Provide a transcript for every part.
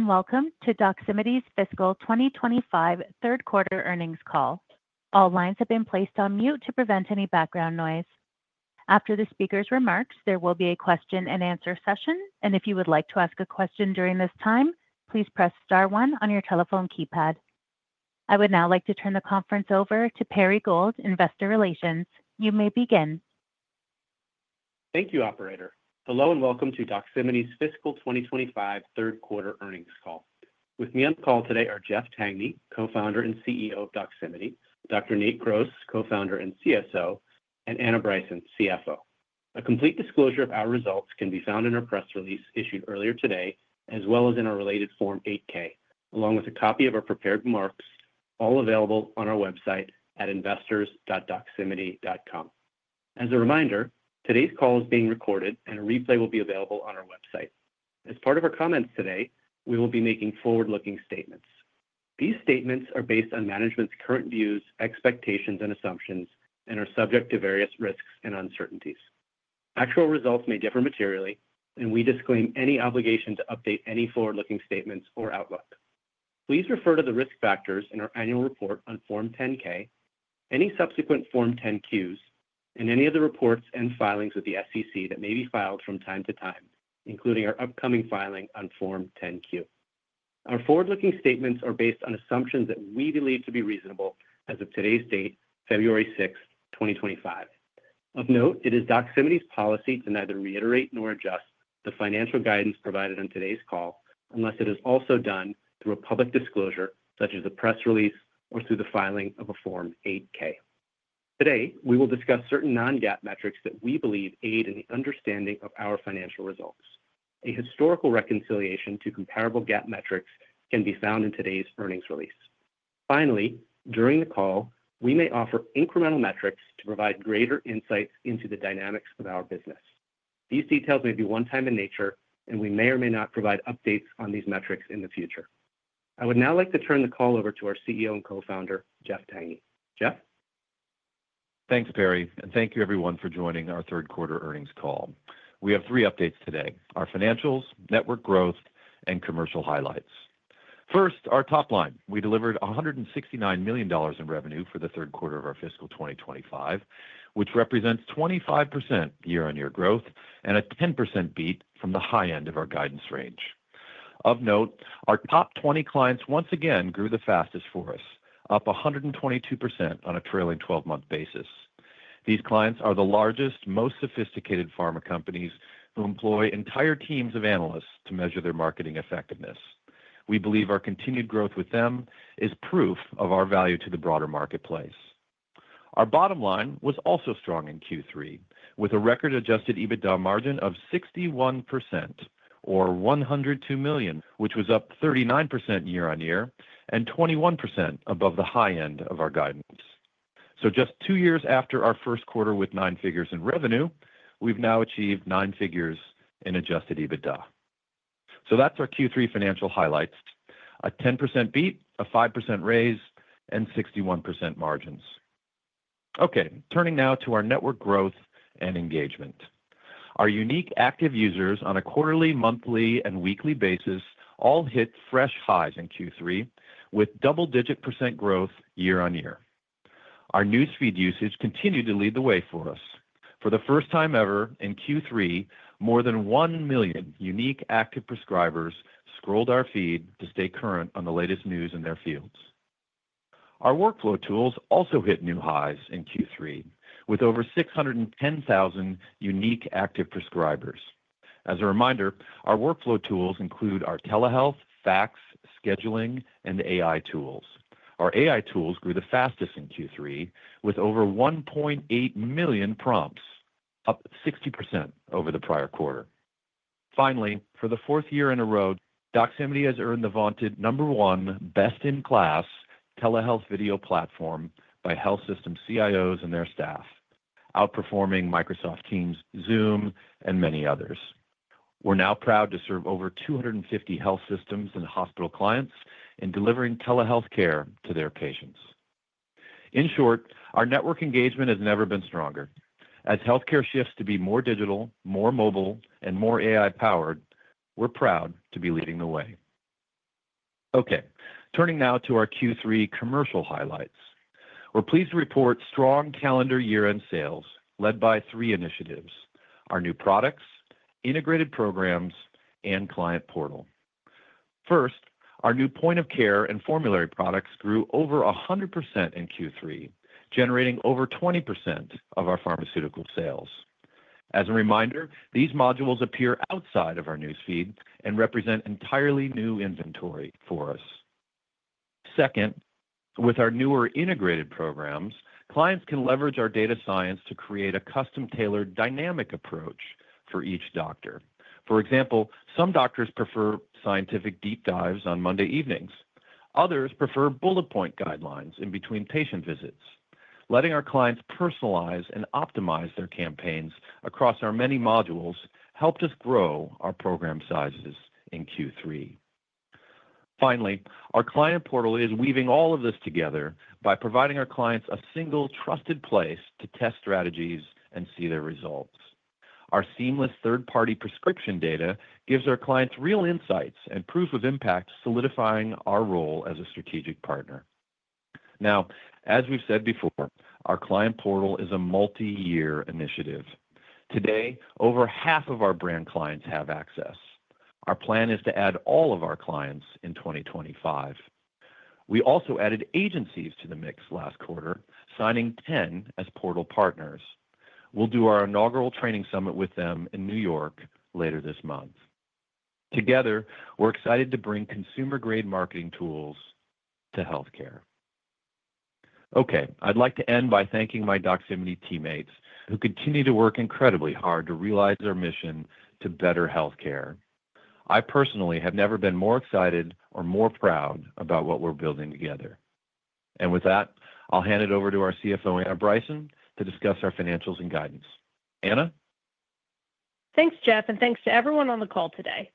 Welcome to Doximity's fiscal 2025 third quarter earnings call. All lines have been placed on mute to prevent any background noise. After the speaker's remarks, there will be a question-and-answer session, and if you would like to ask a question during this time, please press star one on your telephone keypad. I would now like to turn the conference over to Perry Gold, Investor Relations. You may begin. Thank you, Operator. Hello and welcome to Doximity's fiscal 2025 third quarter earnings call. With me on the call today are Jeff Tangney, co-founder and CEO of Doximity; Dr. Nate Gross, co-founder and CSO; and Anna Bryson, CFO. A complete disclosure of our results can be found in our press release issued earlier today, as well as in our related Form 8-K, along with a copy of our prepared remarks, all available on our website at investors.doximity.com. As a reminder, today's call is being recorded, and a replay will be available on our website. As part of our comments today, we will be making forward-looking statements. These statements are based on management's current views, expectations, and assumptions, and are subject to various risks and uncertainties. Actual results may differ materially, and we disclaim any obligation to update any forward-looking statements or outlook. Please refer to the risk factors in our annual report on Form 10-K, any subsequent Form 10-Qs, and any of the reports and filings with the SEC that may be filed from time to time, including our upcoming filing on Form 10-Q. Our forward-looking statements are based on assumptions that we believe to be reasonable as of today's date, February 6th, 2025. Of note, it is Doximity's policy to neither reiterate nor adjust the financial guidance provided on today's call unless it is also done through a public disclosure such as a press release or through the filing of a Form 8-K. Today, we will discuss certain non-GAAP metrics that we believe aid in the understanding of our financial results. A historical reconciliation to comparable GAAP metrics can be found in today's earnings release. Finally, during the call, we may offer incremental metrics to provide greater insights into the dynamics of our business. These details may be one-time in nature, and we may or may not provide updates on these metrics in the future. I would now like to turn the call over to our CEO and co-founder, Jeff Tangney. Jeff? Thanks, Perry, and thank you, everyone, for joining our third quarter earnings call. We have three updates today: our financials, network growth, and commercial highlights. First, our top line. We delivered $169 million in revenue for the third quarter of our fiscal 2025, which represents 25% year-on-year growth and a 10% beat from the high end of our guidance range. Of note, our top 20 clients once again grew the fastest for us, up 122% on a trailing 12-month basis. These clients are the largest, most sophisticated pharma companies who employ entire teams of analysts to measure their marketing effectiveness. We believe our continued growth with them is proof of our value to the broader marketplace. Our bottom line was also strong in Q3, with a record adjusted EBITDA margin of 61%, or $102 million, which was up 39% year-on-year and 21% above the high end of our guidance. So just two years after our first quarter with nine figures in revenue, we've now achieved nine figures in Adjusted EBITDA. So that's our Q3 financial highlights: a 10% beat, a 5% raise, and 61% margins. Okay, turning now to our network growth and engagement. Our unique active users on a quarterly, monthly, and weekly basis all hit fresh highs in Q3, with double-digit % growth year-on-year. Our News Feed usage continued to lead the way for us. For the first time ever in Q3, more than one million unique active prescribers scrolled our feed to stay current on the latest news in their fields. Our workflow tools also hit new highs in Q3, with over 610,000 unique active prescribers. As a reminder, our workflow tools include our telehealth, fax, scheduling, and AI tools. Our AI tools grew the fastest in Q3, with over 1.8 million prompts, up 60% over the prior quarter. Finally, for the fourth year in a row, Doximity has earned the vaunted number one best-in-class telehealth video platform by health system CIOs and their staff, outperforming Microsoft Teams, Zoom and many others. We're now proud to serve over 250 health systems and hospital clients in delivering telehealth care to their patients. In short, our network engagement has never been stronger. As healthcare shifts to be more digital, more mobile, and more AI-powered, we're proud to be leading the way. Okay, turning now to our Q3 commercial highlights. We're pleased to report strong calendar year-end sales, led by three initiatives: our new products, integrated programs, and client portal. First, our new point-of-care and formulary products grew over 100% in Q3, generating over 20% of our pharmaceutical sales. As a reminder, these modules appear outside of our news feed and represent entirely new inventory for us. Second, with our newer integrated programs, clients can leverage our data science to create a custom-tailored dynamic approach for each doctor. For example, some doctors prefer scientific deep dives on Monday evenings. Others prefer bullet-point guidelines in between patient visits. Letting our clients personalize and optimize their campaigns across our many modules helped us grow our program sizes in Q3. Finally, our client portal is weaving all of this together by providing our clients a single, trusted place to test strategies and see their results. Our seamless third-party prescription data gives our clients real insights and proof of impact, solidifying our role as a strategic partner. Now, as we've said before, our client portal is a multi-year initiative. Today, over half of our brand clients have access. Our plan is to add all of our clients in 2025. We also added agencies to the mix last quarter, signing 10 as portal partners. We'll do our inaugural training summit with them in New York later this month. Together, we're excited to bring consumer-grade marketing tools to healthcare. Okay, I'd like to end by thanking my Doximity teammates who continue to work incredibly hard to realize our mission to better healthcare. I personally have never been more excited or more proud about what we're building together. And with that, I'll hand it over to our CFO, Anna Bryson, to discuss our financials and guidance. Anna? Thanks, Jeff, and thanks to everyone on the call today.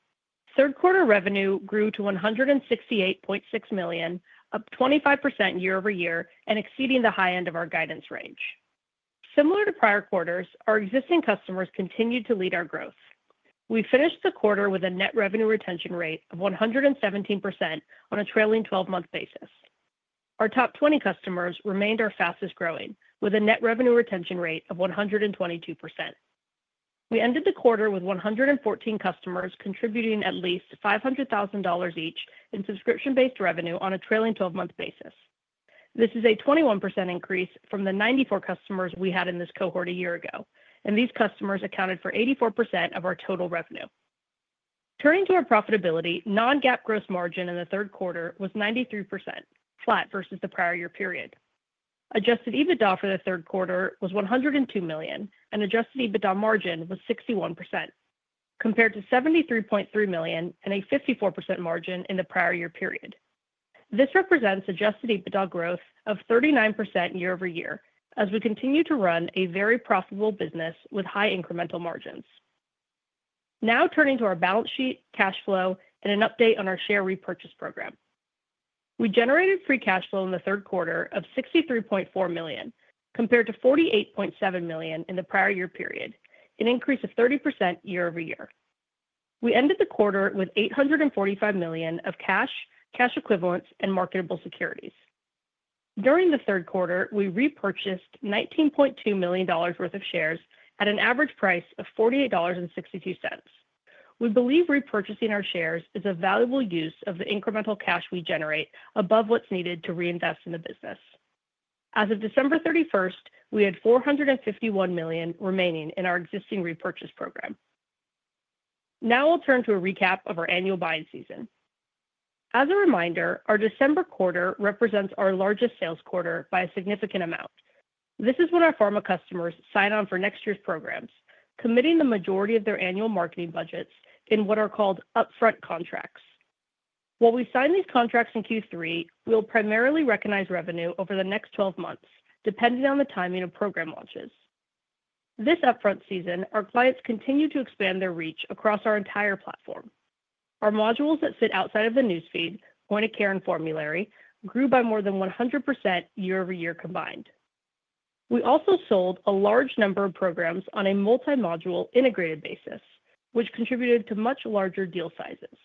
Third quarter revenue grew to $168.6 million, up 25% year-over-year and exceeding the high end of our guidance range. Similar to prior quarters, our existing customers continued to lead our growth. We finished the quarter with a net revenue retention rate of 117% on a trailing 12-month basis. Our top 20 customers remained our fastest growing, with a net revenue retention rate of 122%. We ended the quarter with 114 customers contributing at least $500,000 each in subscription-based revenue on a trailing 12-month basis. This is a 21% increase from the 94 customers we had in this cohort a year ago, and these customers accounted for 84% of our total revenue. Turning to our profitability, Non-GAAP gross margin in the third quarter was 93%, flat versus the prior year period. Adjusted EBITDA for the third quarter was $102 million, and adjusted EBITDA margin was 61%, compared to $73.3 million and a 54% margin in the prior year period. This represents adjusted EBITDA growth of 39% year-over-year as we continue to run a very profitable business with high incremental margins. Now turning to our balance sheet, cash flow, and an update on our share repurchase program. We generated free cash flow in the third quarter of $63.4 million, compared to $48.7 million in the prior year period, an increase of 30% year-over-year. We ended the quarter with $845 million of cash, cash equivalents, and marketable securities. During the third quarter, we repurchased $19.2 million worth of shares at an average price of $48.62. We believe repurchasing our shares is a valuable use of the incremental cash we generate above what's needed to reinvest in the business. As of December 31st, we had $451 million remaining in our existing repurchase program. Now I'll turn to a recap of our annual buying season. As a reminder, our December quarter represents our largest sales quarter by a significant amount. This is when our pharma customers sign on for next year's programs, committing the majority of their annual marketing budgets in what are called upfront contracts. While we sign these contracts in Q3, we'll primarily recognize revenue over the next 12 months, depending on the timing of program launches. This upfront season, our clients continue to expand their reach across our entire platform. Our modules that sit outside of the news feed, point-of-care and formulary, grew by more than 100% year-over-year combined. We also sold a large number of programs on a multi-module integrated basis, which contributed to much larger deal sizes.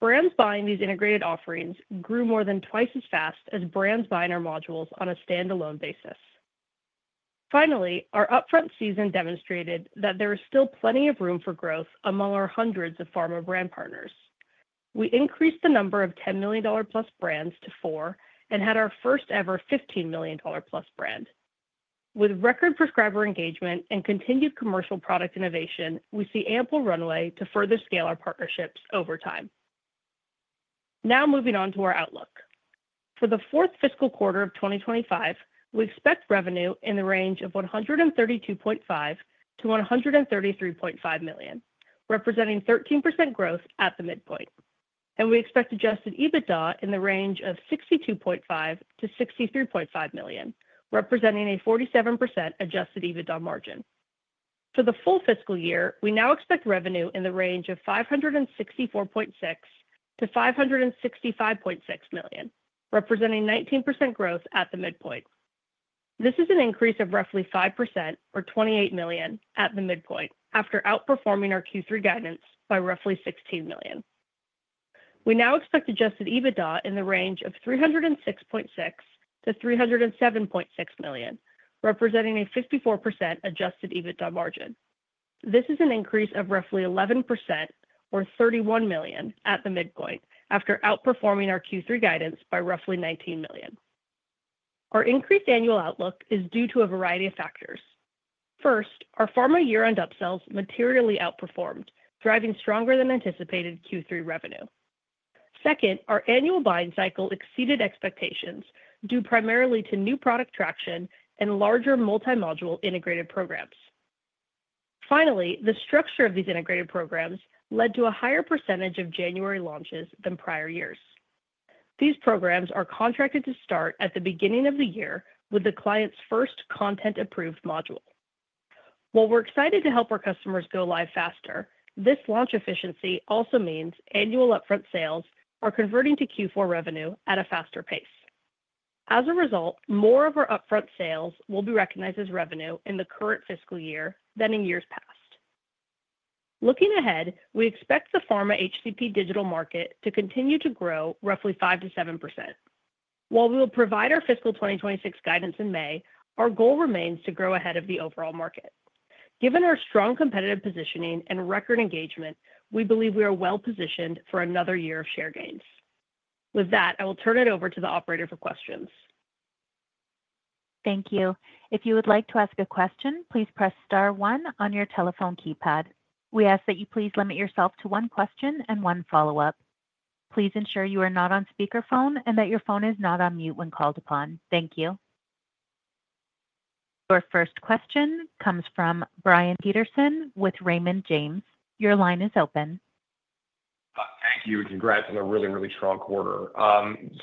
Brands buying these integrated offerings grew more than twice as fast as brands buying our modules on a standalone basis. Finally, our upfront season demonstrated that there is still plenty of room for growth among our hundreds of pharma brand partners. We increased the number of $10 million-plus brands to four and had our first-ever $15 million-plus brand. With record prescriber engagement and continued commercial product innovation, we see ample runway to further scale our partnerships over time. Now moving on to our outlook. For the fourth fiscal quarter of 2025, we expect revenue in the range of $132.5-$133.5 million, representing 13% growth at the midpoint. And we expect Adjusted EBITDA in the range of $62.5-$63.5 million, representing a 47% Adjusted EBITDA margin. For the full fiscal year, we now expect revenue in the range of $564.6-$565.6 million, representing 19% growth at the midpoint. This is an increase of roughly 5%, or $28 million, at the midpoint, after outperforming our Q3 guidance by roughly $16 million. We now expect adjusted EBITDA in the range of $306.6-$307.6 million, representing a 54% adjusted EBITDA margin. This is an increase of roughly 11%, or $31 million, at the midpoint, after outperforming our Q3 guidance by roughly $19 million. Our increased annual outlook is due to a variety of factors. First, our pharma year-end upsells materially outperformed, driving stronger-than-anticipated Q3 revenue. Second, our annual buying cycle exceeded expectations due primarily to new product traction and larger multi-module integrated programs. Finally, the structure of these integrated programs led to a higher percentage of January launches than prior years. These programs are contracted to start at the beginning of the year with the client's first content-approved module. While we're excited to help our customers go live faster, this launch efficiency also means annual upfront sales are converting to Q4 revenue at a faster pace. As a result, more of our upfront sales will be recognized as revenue in the current fiscal year than in years past. Looking ahead, we expect the pharma HCP digital market to continue to grow roughly 5%-7%. While we will provide our fiscal 2026 guidance in May, our goal remains to grow ahead of the overall market. Given our strong competitive positioning and record engagement, we believe we are well-positioned for another year of share gains. With that, I will turn it over to the operator for questions. Thank you. If you would like to ask a question, please press star one on your telephone keypad. We ask that you please limit yourself to one question and one follow-up. Please ensure you are not on speakerphone and that your phone is not on mute when called upon. Thank you. Our first question comes from Brian Peterson with Raymond James. Your line is open. Thank you. Congrats on a really, really strong quarter.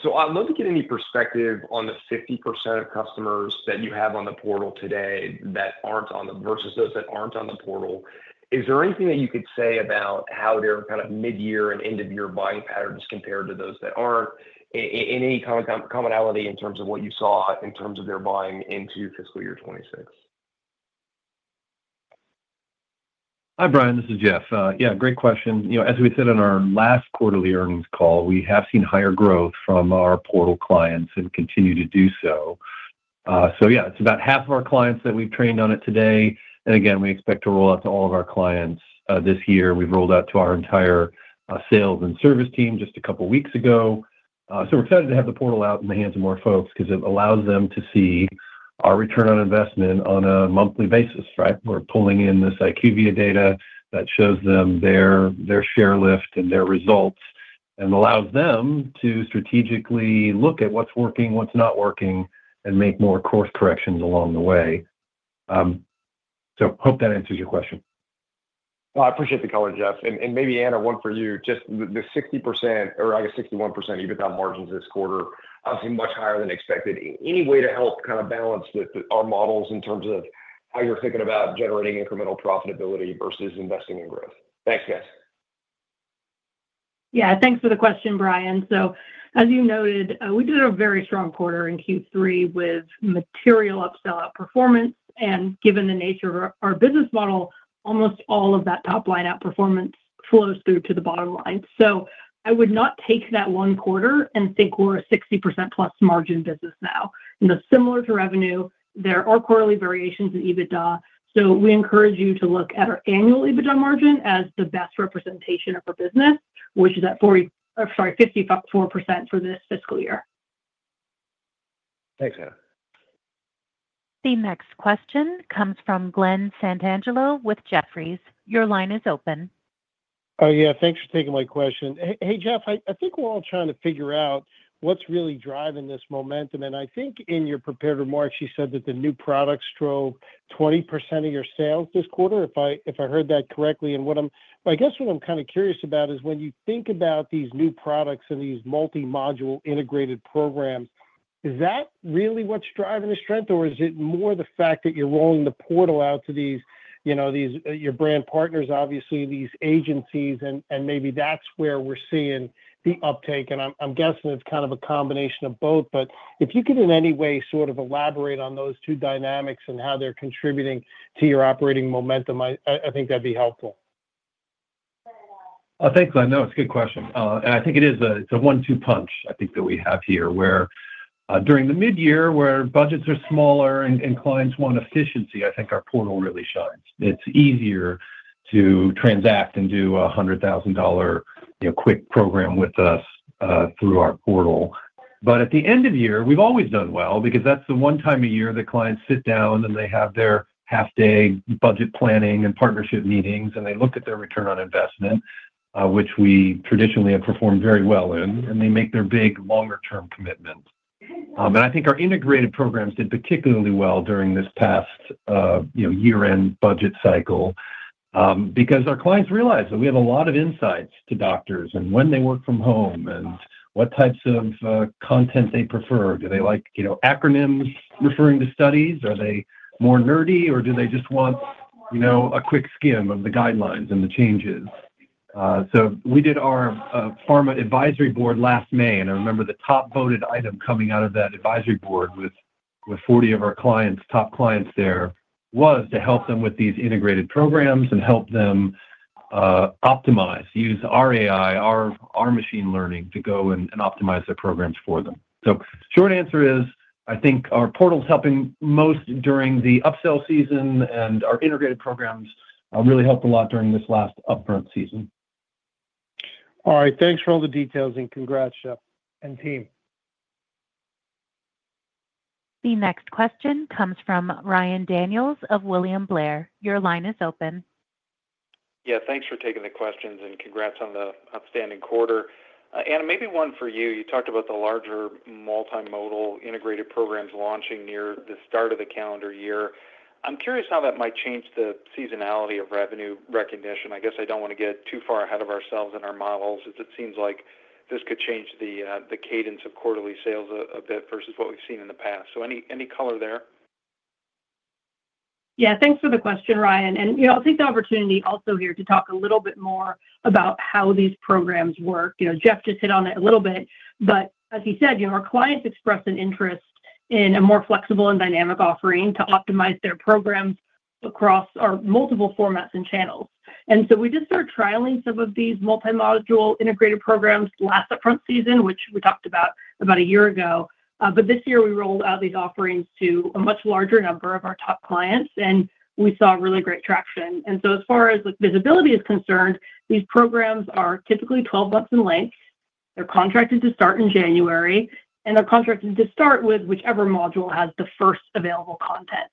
So I'd love to get any perspective on the 50% of customers that you have on the portal today versus those that aren't on the portal. Is there anything that you could say about how their kind of mid-year and end-of-year buying patterns compared to those that aren't, in any commonality in terms of what you saw in terms of their buying into fiscal year 2026? Hi, Brian. This is Jeff. Yeah, great question. As we said in our last quarterly earnings call, we have seen higher growth from our Client Portal clients and continue to do so. So yeah, it's about half of our clients that we've trained on it today. And again, we expect to roll out to all of our clients this year. We've rolled out to our entire sales and service team just a couple of weeks ago. So we're excited to have the Client Portal out in the hands of more folks because it allows them to see our return on investment on a monthly basis, right? We're pulling in this IQVIA data that shows them their share lift and their results and allows them to strategically look at what's working, what's not working, and make more course corrections along the way. So hope that answers your question. I appreciate the color, Jeff. Maybe, Anna, one for you. Just the 60% or, I guess, 61% EBITDA margins this quarter, obviously much higher than expected. Any way to help kind of balance our models in terms of how you're thinking about generating incremental profitability versus investing in growth? Thanks, guys. Yeah, thanks for the question, Brian. So as you noted, we did a very strong quarter in Q3 with material upsell outperformance. And given the nature of our business model, almost all of that top line outperformance flows through to the bottom line. So I would not take that one quarter and think we're a 60%-plus margin business now. And similar to revenue, there are quarterly variations in EBITDA. So we encourage you to look at our annual EBITDA margin as the best representation of our business, which is at 54% for this fiscal year. Thanks, Anna. The next question comes from Glenn Santangelo with Jefferies. Your line is open. Oh, yeah. Thanks for taking my question. Hey, Jeff, I think we're all trying to figure out what's really driving this momentum. And I think in your prepared remarks, you said that the new products drove 20% of your sales this quarter, if I heard that correctly. And I guess what I'm kind of curious about is when you think about these new products and these multi-module integrated programs, is that really what's driving the strength, or is it more the fact that you're rolling the portal out to your brand partners, obviously, these agencies, and maybe that's where we're seeing the uptake? And I'm guessing it's kind of a combination of both. But if you could, in any way, sort of elaborate on those two dynamics and how they're contributing to your operating momentum, I think that'd be helpful. I think, Glenn, no, it's a good question. And I think it's a one-two punch, I think, that we have here where during the mid-year, where budgets are smaller and clients want efficiency, I think our portal really shines. It's easier to transact and do a $100,000 quick program with us through our portal. But at the end of year, we've always done well because that's the one time a year that clients sit down and they have their half-day budget planning and partnership meetings, and they look at their return on investment, which we traditionally have performed very well in, and they make their big longer-term commitment. And I think our integrated programs did particularly well during this past year-end budget cycle because our clients realize that we have a lot of insights to doctors and when they work from home and what types of content they prefer. Do they like acronyms referring to studies? Are they more nerdy, or do they just want a quick skim of the guidelines and the changes? So we did our pharma advisory board last May, and I remember the top-voted item coming out of that advisory board with 40 of our top clients there, was to help them with these integrated programs and help them optimize, use our AI, our machine learning to go and optimize their programs for them. So short answer is, I think our portal's helping most during the upsell season, and our integrated programs really helped a lot during this last upfront season. All right. Thanks for all the details, and congrats, Jeff and team. The next question comes from Ryan Daniels of William Blair. Your line is open. Yeah, thanks for taking the questions, and congrats on the outstanding quarter. Anna, maybe one for you. You talked about the larger multi-modal integrated programs launching near the start of the calendar year. I'm curious how that might change the seasonality of revenue recognition. I guess I don't want to get too far ahead of ourselves in our models, as it seems like this could change the cadence of quarterly sales a bit versus what we've seen in the past. So any color there? Yeah, thanks for the question, Ryan. And I'll take the opportunity also here to talk a little bit more about how these programs work. Jeff just hit on it a little bit, but as he said, our clients expressed an interest in a more flexible and dynamic offering to optimize their programs across our multiple formats and channels. And so we just started trialing some of these multi-module integrated programs last upfront season, which we talked about a year ago. But this year, we rolled out these offerings to a much larger number of our top clients, and we saw really great traction. And so as far as visibility is concerned, these programs are typically 12 months in length. They're contracted to start in January, and they're contracted to start with whichever module has the first available content.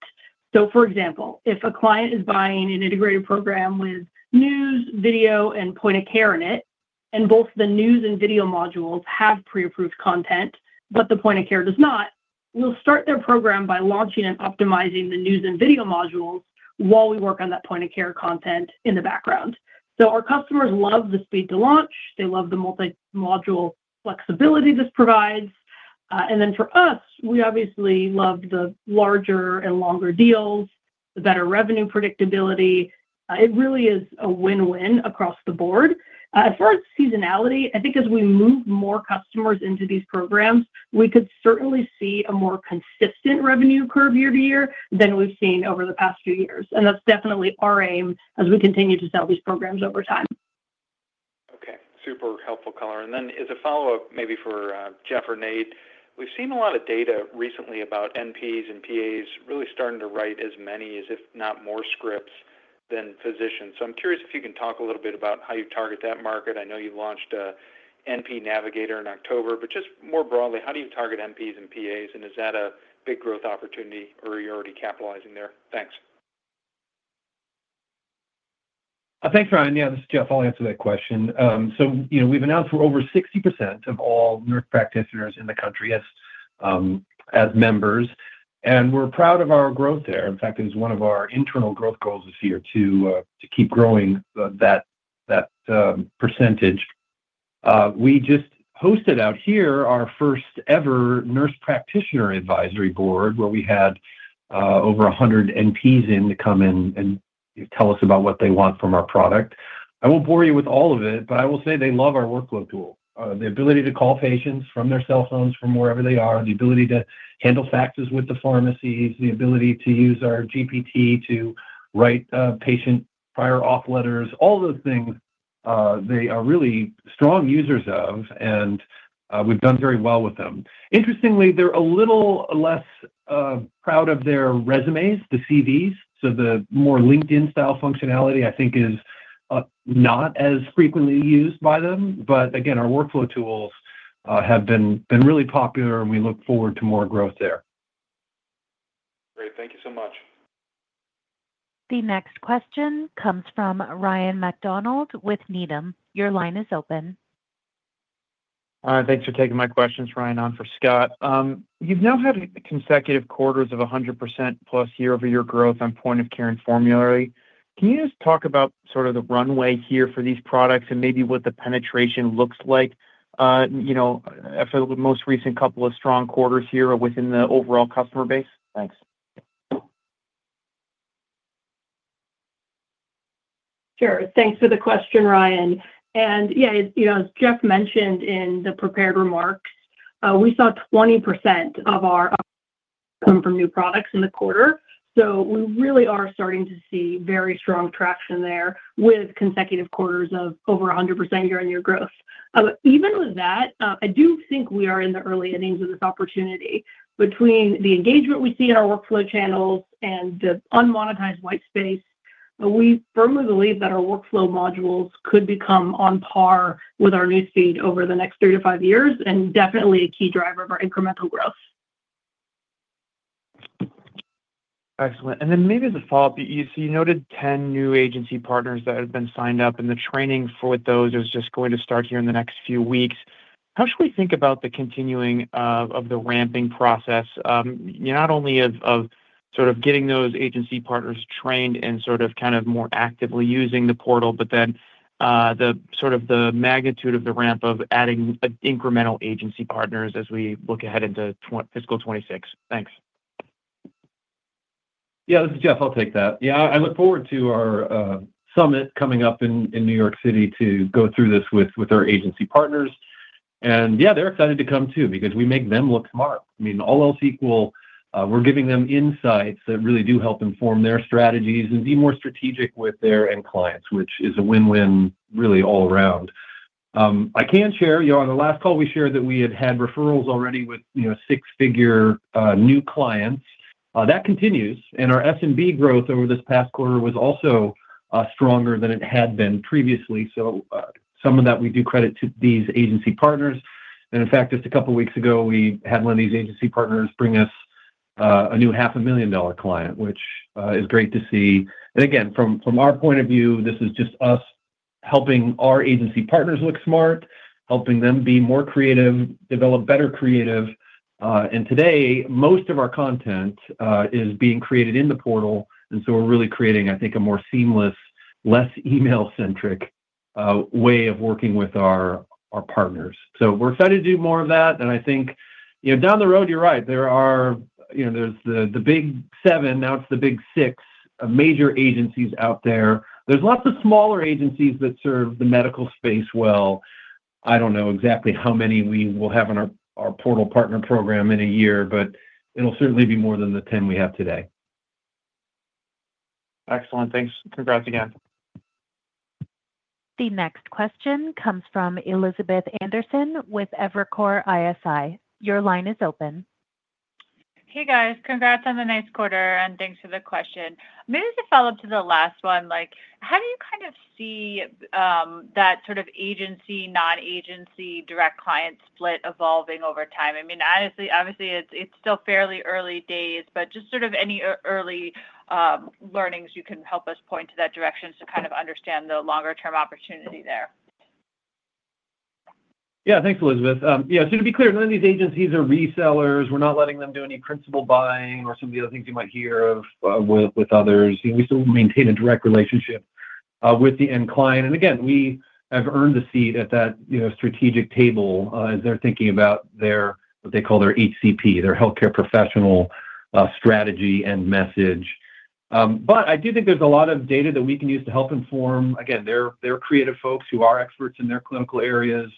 So for example, if a client is buying an integrated program with news, video, and point-of-care in it, and both the news and video modules have pre-approved content, but the point-of-care does not, we'll start their program by launching and optimizing the news and video modules while we work on that point-of-care content in the background. So our customers love the speed to launch. They love the multi-module flexibility this provides. And then for us, we obviously love the larger and longer deals, the better revenue predictability. It really is a win-win across the board. As far as seasonality, I think as we move more customers into these programs, we could certainly see a more consistent revenue curve year to year than we've seen over the past few years. And that's definitely our aim as we continue to sell these programs over time. Okay. Super helpful, Color. And then as a follow-up, maybe for Jeff or Nate, we've seen a lot of data recently about NPs and PAs really starting to write as many as, if not more, scripts than physicians. So I'm curious if you can talk a little bit about how you target that market. I know you launched an NP Navigator in October, but just more broadly, how do you target NPs and PAs, and is that a big growth opportunity, or are you already capitalizing there? Thanks. Thanks, Brian. Yeah, this is Jeff. I'll answer that question. So we've announced we're over 60% of all nurse practitioners in the country as members. And we're proud of our growth there. In fact, it was one of our internal growth goals this year to keep growing that percentage. We just hosted out here our first-ever nurse practitioner advisory board where we had over 100 NPs in to come in and tell us about what they want from our product. I won't bore you with all of it, but I will say they love our workflow tool, the ability to call patients from their cell phones from wherever they are, the ability to handle faxes with the pharmacies, the ability to use our GPT to write patient prior auth letters, all those things they are really strong users of, and we've done very well with them. Interestingly, they're a little less proud of their resumes, the CVs. So the more LinkedIn-style functionality, I think, is not as frequently used by them. But again, our workflow tools have been really popular, and we look forward to more growth there. Great. Thank you so much. The next question comes from Ryan McDonald with Needham. Your line is open. Hi. Thanks for taking my questions, Ryan here for Scott. You've now had consecutive quarters of 100%-plus year-over-year growth on Point-of-Care and Formulary. Can you just talk about sort of the runway here for these products and maybe what the penetration looks like after the most recent couple of strong quarters here within the overall customer base? Thanks. Sure. Thanks for the question, Ryan. And yeah, as Jeff mentioned in the prepared remarks, we saw 20% of our upsell come from new products in the quarter. So we really are starting to see very strong traction there with consecutive quarters of over 100% year-on-year growth. Even with that, I do think we are in the early innings of this opportunity. Between the engagement we see in our workflow channels and the unmonetized white space, we firmly believe that our workflow modules could become on par with our news feed over the next three to five years and definitely a key driver of our incremental growth. Excellent. And then maybe as a follow-up, so you noted 10 new agency partners that have been signed up, and the training for those is just going to start here in the next few weeks. How should we think about the continuing of the ramping process, not only of sort of getting those agency partners trained and sort of kind of more actively using the portal, but then sort of the magnitude of the ramp of adding incremental agency partners as we look ahead into fiscal 2026? Thanks. Yeah, this is Jeff. I'll take that. Yeah, I look forward to our summit coming up in New York City to go through this with our agency partners. And yeah, they're excited to come too because we make them look smart. I mean, all else equal, we're giving them insights that really do help inform their strategies and be more strategic with their end clients, which is a win-win, really, all around. I can share, on the last call, we shared that we had had referrals already with six-figure new clients. That continues. And our SMB growth over this past quarter was also stronger than it had been previously. So some of that we do credit to these agency partners. And in fact, just a couple of weeks ago, we had one of these agency partners bring us a new $500,000 client, which is great to see. And again, from our point of view, this is just us helping our agency partners look smart, helping them be more creative, develop better creative. And today, most of our content is being created in the portal. And so we're really creating, I think, a more seamless, less email-centric way of working with our partners. So we're excited to do more of that. And I think down the road, you're right. There's the big seven. Now it's the big six, major agencies out there. There's lots of smaller agencies that serve the medical space well. I don't know exactly how many we will have in our portal partner program in a year, but it'll certainly be more than the 10 we have today. Excellent. Thanks. Congrats again. The next question comes from Elizabeth Anderson with Evercore ISI. Your line is open. Hey, guys. Congrats on the next quarter, and thanks for the question. Maybe as a follow-up to the last one, how do you kind of see that sort of agency, non-agency, direct client split evolving over time? I mean, honestly, obviously, it's still fairly early days, but just sort of any early learnings you can help us point to that direction to kind of understand the longer-term opportunity there. Yeah. Thanks, Elizabeth. Yeah. So to be clear, none of these agencies are resellers. We're not letting them do any principal buying or some of the other things you might hear of with others. We still maintain a direct relationship with the end client. And again, we have earned the seat at that strategic table as they're thinking about what they call their HCP, their healthcare professional strategy and message. But I do think there's a lot of data that we can use to help inform, again, their creative folks who are experts in their clinical areas,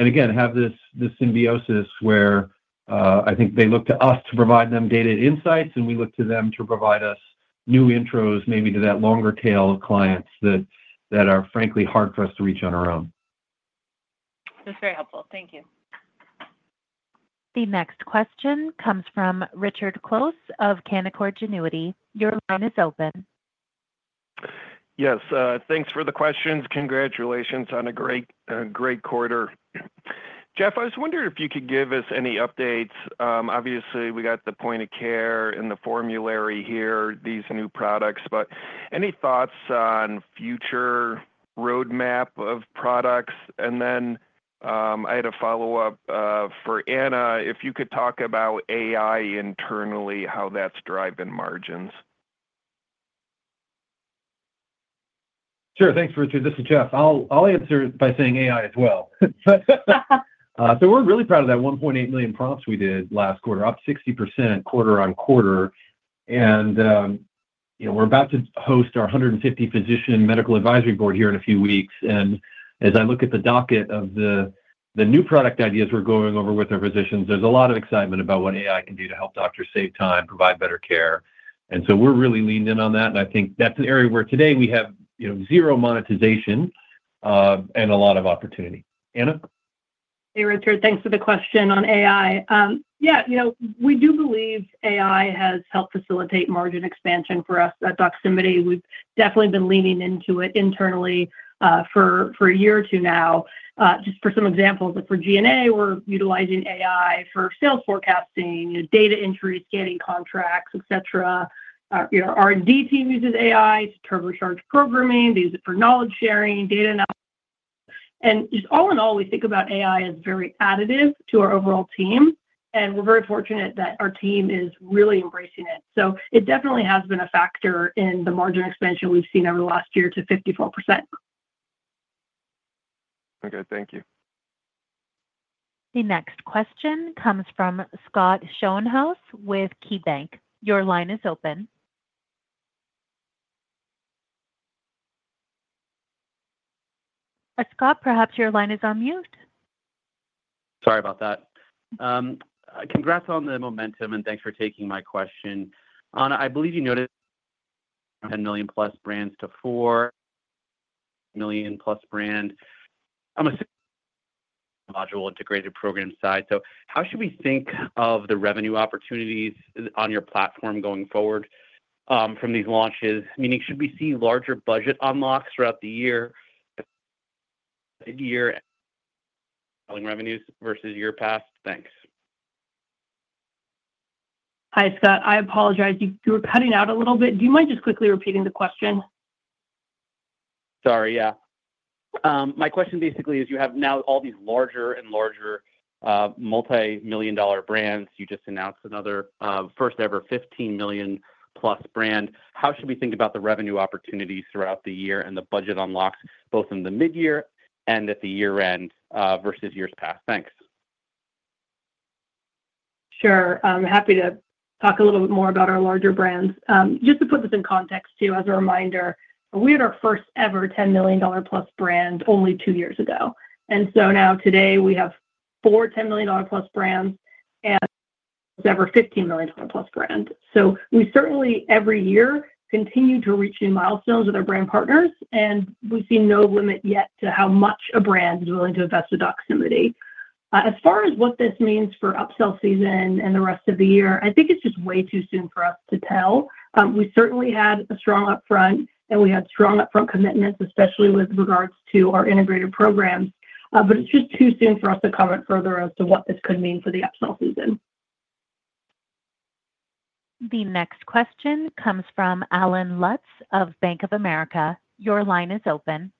and again, have this symbiosis where I think they look to us to provide them data and insights, and we look to them to provide us new intros maybe to that longer tail of clients that are, frankly, hard for us to reach on our own. That's very helpful. Thank you. The next question comes from Richard Close of Canaccord Genuity. Your line is open. Yes. Thanks for the questions. Congratulations on a great quarter. Jeff, I was wondering if you could give us any updates. Obviously, we got the Point-of-Care and the Formulary here, these new products, but any thoughts on future roadmap of products? And then I had a follow-up for Anna. If you could talk about AI internally, how that's driving margins? Sure. Thanks, Richard. This is Jeff. I'll answer by saying AI as well. So we're really proud of that 1.8 million prompts we did last quarter, up 60% quarter on quarter. And we're about to host our 150-physician medical advisory board here in a few weeks. And as I look at the docket of the new product ideas we're going over with our physicians, there's a lot of excitement about what AI can do to help doctors save time, provide better care. And so we're really leaned in on that. And I think that's an area where today we have zero monetization and a lot of opportunity. Anna? Hey, Richard. Thanks for the question on AI. Yeah. We do believe AI has helped facilitate margin expansion for us at Doximity. We've definitely been leaning into it internally for a year or two now. Just for some examples, for G&A, we're utilizing AI for sales forecasting, data entry, scanning contracts, etc. Our R&D team uses AI to turbocharge programming. They use it for knowledge sharing, data analysis. And just all in all, we think about AI as very additive to our overall team. And we're very fortunate that our team is really embracing it. So it definitely has been a factor in the margin expansion we've seen over the last year to 54%. Okay. Thank you. The next question comes from Scott Schoenhaus with KeyBanc. Your line is open. Scott, perhaps your line is on mute. Sorry about that. Congrats on the momentum, and thanks for taking my question. Anna, I believe you noted 10 million-plus brands to four million-plus brands. I'm assuming modular integrated program side. So how should we think of the revenue opportunities on your platform going forward from these launches? Meaning, should we see larger budget unlocks throughout the year selling revenues versus year past? Thanks. Hi, Scott. I apologize. You were cutting out a little bit. Do you mind just quickly repeating the question? Sorry. Yeah. My question basically is you have now all these larger and larger multi-million-dollar brands. You just announced another first-ever 15 million-plus brand. How should we think about the revenue opportunities throughout the year and the budget unlocks both in the midyear and at the year-end versus years past? Thanks. Sure. I'm happy to talk a little bit more about our larger brands. Just to put this in context too, as a reminder, we had our first-ever 10 million-plus brand only two years ago, and so now today, we have four 10 million-plus brands and even a 15 million-plus brand, so we certainly, every year, continue to reach new milestones with our brand partners, and we see no limit yet to how much a brand is willing to invest with Doximity. As far as what this means for upsell season and the rest of the year, I think it's just way too soon for us to tell. We certainly had a strong upfront, and we had strong upfront commitments, especially with regards to our integrated programs, but it's just too soon for us to comment further as to what this could mean for the upsell season. The next question comes from Allen Lutz of Bank of America. Your line is open.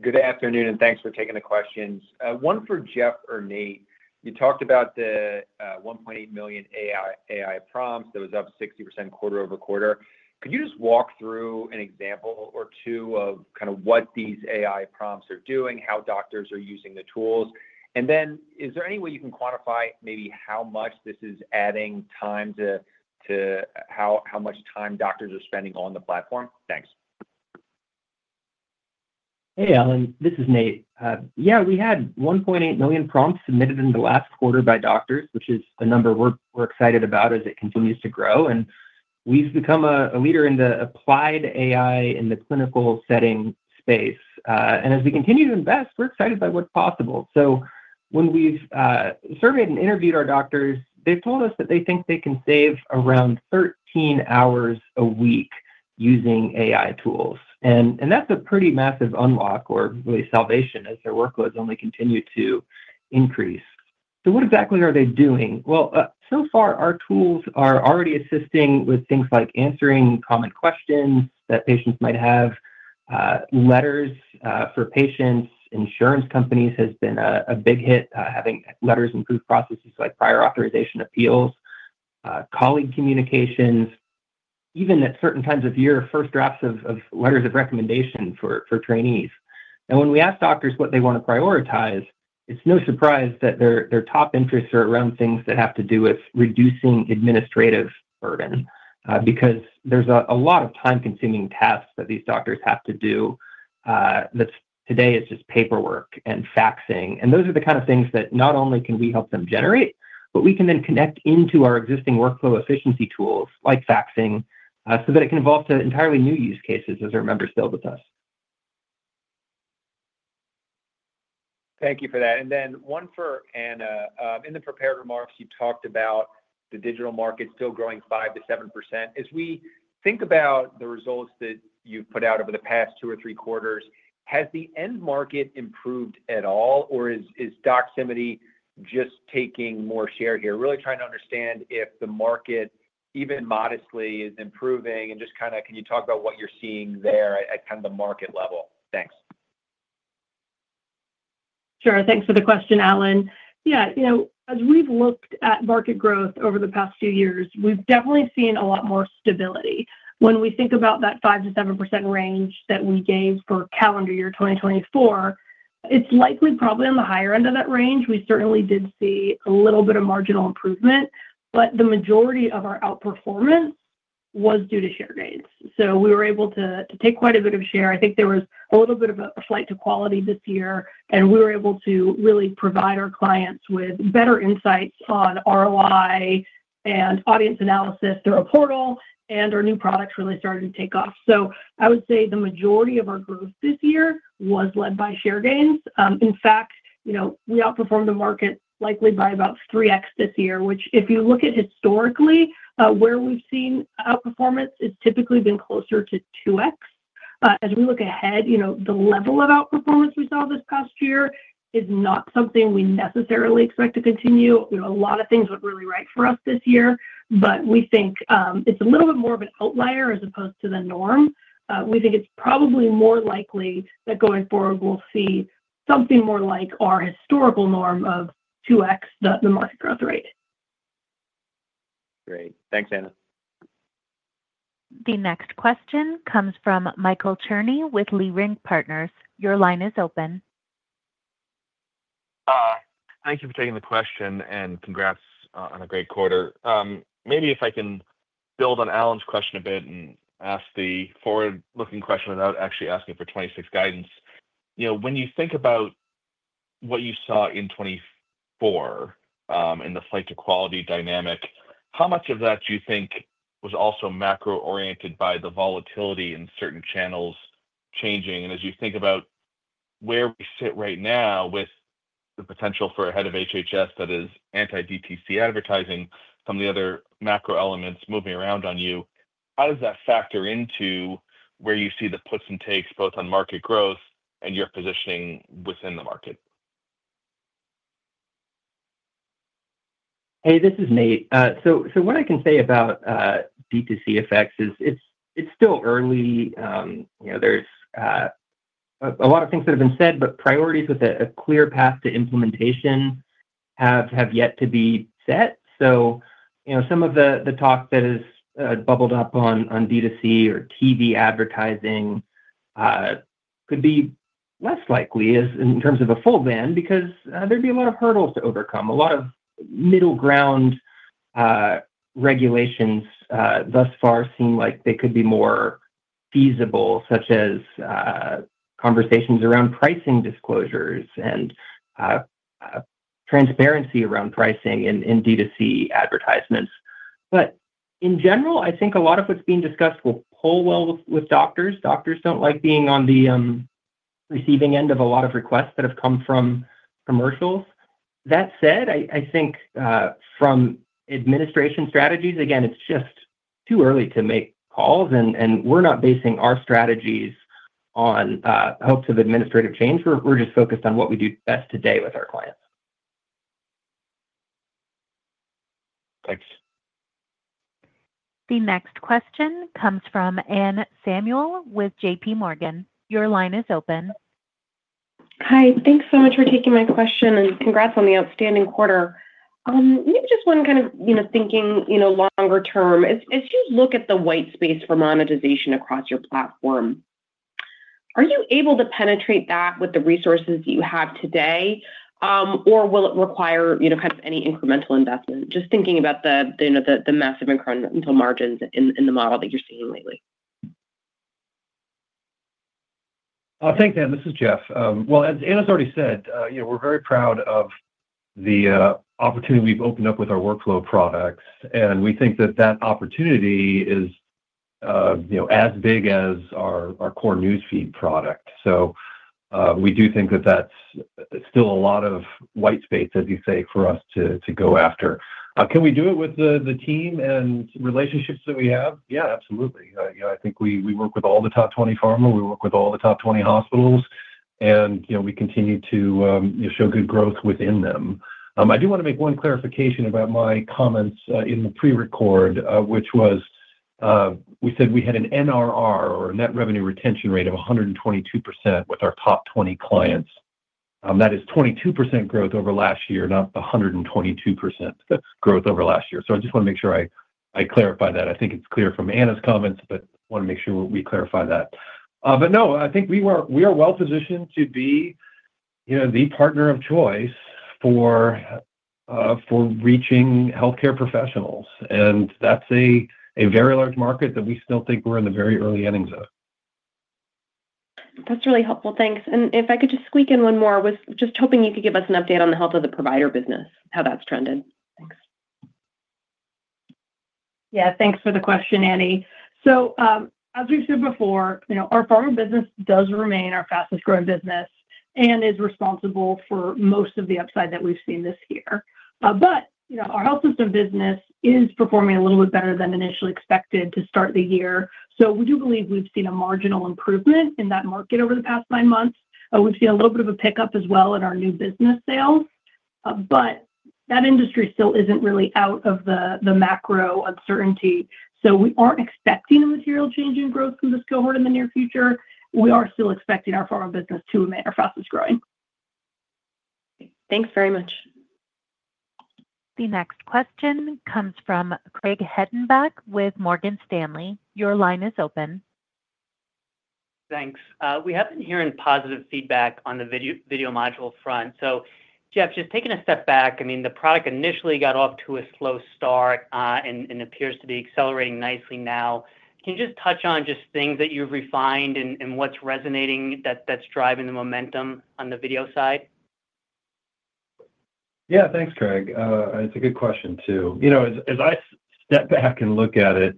Good afternoon, and thanks for taking the questions. One for Jeff or Nate. You talked about the 1.8 million AI prompts that was up 60% quarter over quarter. Could you just walk through an example or two of kind of what these AI prompts are doing, how doctors are using the tools? And then is there any way you can quantify maybe how much this is adding time to how much time doctors are spending on the platform? Thanks. Hey, Alan. This is Nate. Yeah, we had 1.8 million prompts submitted in the last quarter by doctors, which is a number we're excited about as it continues to grow. We've become a leader in the applied AI in the clinical setting space. As we continue to invest, we're excited by what's possible. When we've surveyed and interviewed our doctors, they've told us that they think they can save around 13 hours a week using AI tools. That's a pretty massive unlock or really salvation as their workloads only continue to increase. What exactly are they doing? So far, our tools are already assisting with things like answering common questions that patients might have, letters for patients. AI tools have been a big hit, having letters and approval processes like prior authorization appeals, colleague communications, even at certain times of year, first drafts of letters of recommendation for trainees, and when we ask doctors what they want to prioritize, it's no surprise that their top interests are around things that have to do with reducing administrative burden because there's a lot of time-consuming tasks that these doctors have to do that today is just paperwork and faxing, and those are the kind of things that not only can we help them generate, but we can then connect into our existing workflow efficiency tools like faxing so that it can evolve to entirely new use cases as our members build with us. Thank you for that. And then one for Anna. In the prepared remarks, you talked about the digital market still growing 5%-7%. As we think about the results that you've put out over the past two or three quarters, has the end market improved at all, or is Doximity just taking more share here? Really trying to understand if the market even modestly is improving. And just kind of can you talk about what you're seeing there at kind of the market level? Thanks. Sure. Thanks for the question, Alan. Yeah. As we've looked at market growth over the past few years, we've definitely seen a lot more stability. When we think about that 5%-7% range that we gave for calendar year 2024, it's likely probably on the higher end of that range. We certainly did see a little bit of marginal improvement, but the majority of our outperformance was due to share gains. So we were able to take quite a bit of share. I think there was a little bit of a flight to quality this year, and we were able to really provide our clients with better insights on ROI and audience analysis through a portal, and our new products really started to take off. So I would say the majority of our growth this year was led by share gains. In fact, we outperformed the market likely by about 3x this year, which if you look at historically, where we've seen outperformance has typically been closer to 2x. As we look ahead, the level of outperformance we saw this past year is not something we necessarily expect to continue. A lot of things went really right for us this year, but we think it's a little bit more of an outlier as opposed to the norm. We think it's probably more likely that going forward we'll see something more like our historical norm of 2x, the market growth rate. Great. Thanks, Anna. The next question comes from Michael Cherny with Leerink Partners. Your line is open. Thank you for taking the question, and congrats on a great quarter. Maybe if I can build on Alan's question a bit and ask the forward-looking question without actually asking for 2026 guidance. When you think about what you saw in 2024 and the flight to quality dynamic, how much of that do you think was also macro-oriented by the volatility in certain channels changing? And as you think about where we sit right now with the potential for ahead of HHS that is anti-DTC advertising, some of the other macro elements moving around on you, how does that factor into where you see the puts and takes both on market growth and your positioning within the market? Hey, this is Nate. So what I can say about DTC effects is it's still early. There's a lot of things that have been said, but priorities with a clear path to implementation have yet to be set. So some of the talk that has bubbled up on DTC or TV advertising could be less likely in terms of a full ban because there'd be a lot of hurdles to overcome. A lot of middle ground regulations thus far seem like they could be more feasible, such as conversations around pricing disclosures and transparency around pricing in DTC advertisements. But in general, I think a lot of what's being discussed will pull well with doctors. Doctors don't like being on the receiving end of a lot of requests that have come from commercials. That said, I think from administration strategies, again, it's just too early to make calls, and we're not basing our strategies on hopes of administrative change. We're just focused on what we do best today with our clients. Thanks. The next question comes from Anne Samuel with JPMorgan. Your line is open. Hi. Thanks so much for taking my question, and congrats on the outstanding quarter. Maybe just one kind of thinking longer term. As you look at the white space for monetization across your platform, are you able to penetrate that with the resources that you have today, or will it require kind of any incremental investment? Just thinking about the massive incremental margins in the model that you're seeing lately. I'll take that. This is Jeff. As Anna's already said, we're very proud of the opportunity we've opened up with our workflow products, and we think that that opportunity is as big as our core newsfeed product, so we do think that that's still a lot of white space, as you say, for us to go after. Can we do it with the team and relationships that we have? Yeah, absolutely. I think we work with all the top 20 pharma. We work with all the top 20 hospitals, and we continue to show good growth within them. I do want to make one clarification about my comments in the pre-record, which was we said we had an NRR or net revenue retention rate of 122% with our top 20 clients. That is 22% growth over last year, not 122% growth over last year. So I just want to make sure I clarify that. I think it's clear from Anna's comments, but I want to make sure we clarify that. But no, I think we are well-positioned to be the partner of choice for reaching healthcare professionals. And that's a very large market that we still think we're in the very early innings of. That's really helpful. Thanks. And if I could just squeak in one more, just hoping you could give us an update on the health of the provider business, how that's trended. Thanks. Yeah. Thanks for the question, Anne. So as we've said before, our pharma business does remain our fastest-growing business and is responsible for most of the upside that we've seen this year. But our health system business is performing a little bit better than initially expected to start the year. So we do believe we've seen a marginal improvement in that market over the past nine months. We've seen a little bit of a pickup as well in our new business sales. But that industry still isn't really out of the macro uncertainty. So we aren't expecting a material change in growth from this cohort in the near future. We are still expecting our pharma business to remain our fastest-growing. Thanks very much. The next question comes from Craig Hettenbach with Morgan Stanley. Your line is open. Thanks. We have been hearing positive feedback on the video module front. So Jeff, just taking a step back, I mean, the product initially got off to a slow start and appears to be accelerating nicely now. Can you just touch on just things that you've refined and what's resonating that's driving the momentum on the video side? Yeah. Thanks, Craig. It's a good question too. As I step back and look at it,